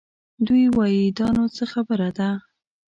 دوی وايي دا نو څه خبره ده؟